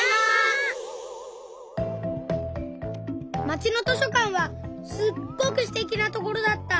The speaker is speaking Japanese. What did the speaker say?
まちの図書かんはすっごくすてきなところだった。